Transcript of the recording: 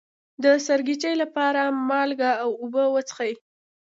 د سرګیچي لپاره مالګه او اوبه وڅښئ